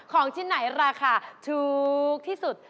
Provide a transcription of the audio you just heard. ของชิ้นไหนราคาถูกที่สุด